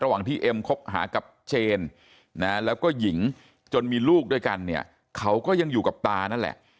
ระหว่างที่เอ็มคบหากับเจนนะแล้วก็หญิงจนมีลูกด้วยกันเนี่ยเขาก็ยังอยู่กับตานั่นแหละ